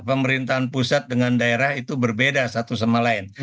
pemerintahan pusat dengan daerah itu berbeda satu sama lain